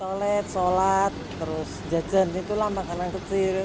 toilet sholat jajan itulah makanan kecil